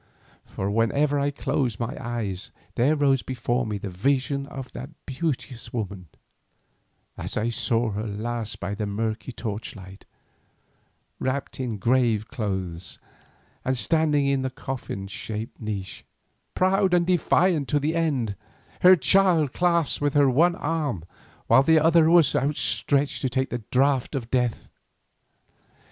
For whenever I closed my eyes there rose before me the vision of that beauteous woman as I saw her last by the murky torchlight, wrapped in grave clothes and standing in the coffin shaped niche, proud and defiant to the end, her child clasped to her with one arm while the other was outstretched to take the draught of death.